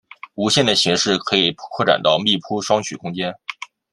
无限的形式可以扩展到密铺双曲空间。